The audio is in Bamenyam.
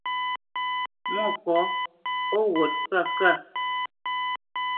Mwôkɔ̌, ó wut pə̂ kə̂?